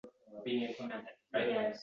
Bir juft musicha to’g’ri keldi.